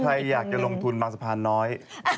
ใครอยากจะลงทุนบางสะพานน้อย